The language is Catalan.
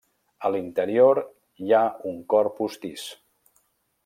A l'interior hi ha un cor postís.